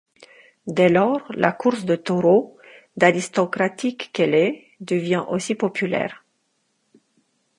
Dès lors, la course de taureaux, d’aristocratique qu’elle est, devient aussi populaire.